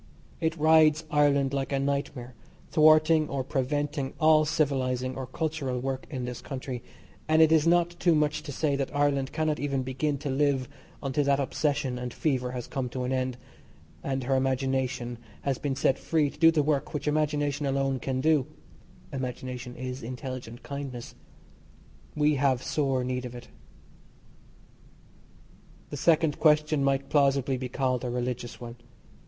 It rides Ireland like a nightmare, thwarting or preventing all civilising or cultural work in this country, and it is not too much to say that Ireland cannot even begin to live until that obsession and fever has come to an end, and her imagination has been set free to do the work which imagination alone can do Imagination is intelligent kindness we have sore need of it. The second question might plausibly be called a religious one.